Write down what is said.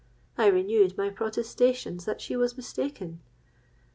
I renewed my protestations that she was mistaken.